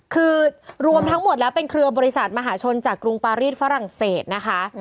คือรวมทั้งหมดแล้วเป็นเครือบริษัทมหาชนจากกรุงปารีสฝรั่งเศสนะคะ